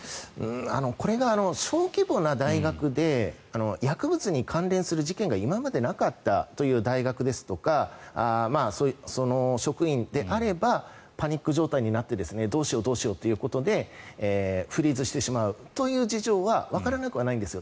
これが小規模な大学で薬物に関連する事件が今までなかったという大学ですとか職員であればパニック状態になってどうしようどうしようということでフリーズしてしまうという事情はわからなくはないんです。